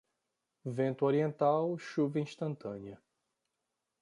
Vento oriental, chuva instantânea.